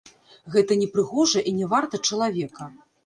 Гэта непрыгожа і не варта чалавека.